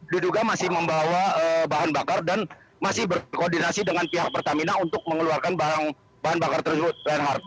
diduga masih membawa bahan bakar dan masih berkoordinasi dengan pihak pertamina untuk mengeluarkan bahan bakar tersebut reinhardt